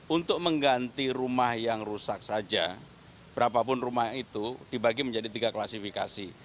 untuk mengganti rumah yang rusak saja berapapun rumah itu dibagi menjadi tiga klasifikasi